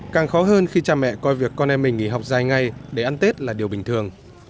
càng khó hơn khi cha mẹ coi việc con em mình nghỉ học dài ngày để ăn tết là điều bình thường